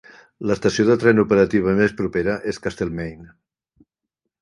L'estació de tren operativa més propera és Castlemaine.